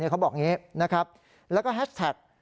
เขาบอกอย่างนี้แล้วก็แฮชแท็ก